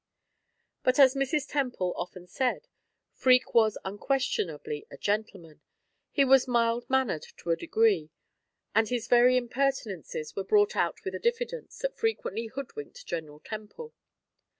But, as Mrs. Temple often said, Freke was unquestionably a gentleman; he was mild mannered to a degree, and his very impertinences were brought out with a diffidence that frequently hoodwinked General Temple.